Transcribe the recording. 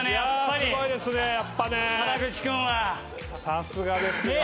さすがですね。